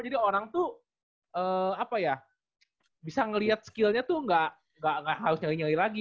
jadi orang tuh apa ya bisa ngeliat skillnya tuh nggak harus nyeli nyeli lagi